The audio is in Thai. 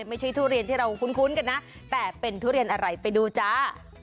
ทุเรียนที่เราคุ้นกันนะแต่เป็นทุเรียนอะไรไปดูจ้า